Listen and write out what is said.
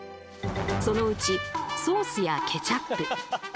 そのうちソースやケチャップ梅納豆さらに